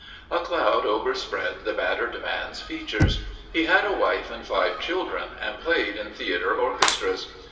A cloud overspread the battered man's features. He had a wife and five children and played in theatre orchestras.